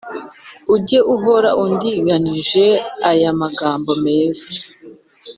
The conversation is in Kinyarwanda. Ujye uhora indingarije aya magambo meza